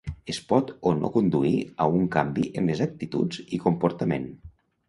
Es pot o no conduir a un canvi en les actituds i comportament.